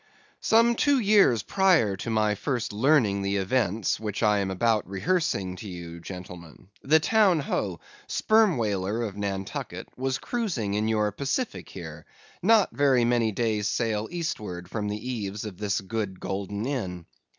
"Some two years prior to my first learning the events which I am about rehearsing to you, gentlemen, the Town Ho, Sperm Whaler of Nantucket, was cruising in your Pacific here, not very many days' sail eastward from the eaves of this good Golden Inn.